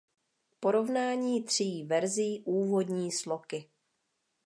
Porovnání tří verzí úvodní sloky.